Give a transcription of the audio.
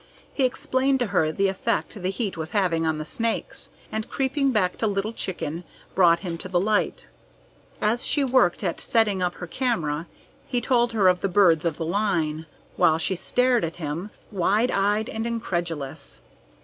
He explained to her the effect the heat was having on the snakes, and creeping back to Little Chicken, brought him to the light. As she worked at setting up her camera, he told her of the birds of the line, while she stared at him, wide eyed and incredulous.